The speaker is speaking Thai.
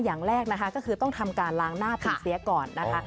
อย่างแรกนะคะก็คือต้องทำการล้างหน้าปีเสียก่อนนะคะ